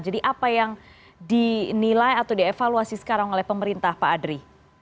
jadi apa yang dinilai atau dievaluasi sekarang oleh pemerintah pak adri